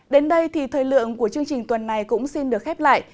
đến đây thì thời lượng của chương trình tuần này cũng xin được khép lại